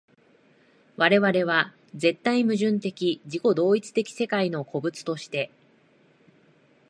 我々は絶対矛盾的自己同一的世界の個物として、